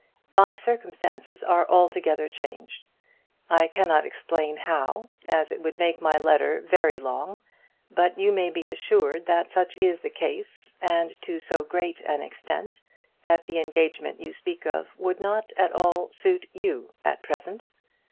My circumstances are altogether changed. I cannot explain how, as it would make my letter very long; but you may be assured that such is the case, and to so great an extent that the engagement you speak of would not at all suit you at present.